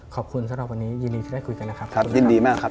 ขอบคุณสำหรับวันนี้ยินดีที่ได้คุยกันนะครับ